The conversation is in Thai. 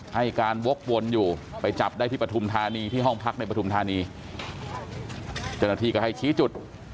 ให้การวกวนอยู่ไปจับได้ที่ปฐุมธานีที่ห้องพักในปฐุมธานีเจ้าหน้าที่ก็ให้ชี้จุด